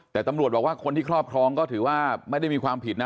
แต่ตำรวจบอกว่าคนที่ครอบครองก็ถือว่าไม่ได้มีความผิดนะ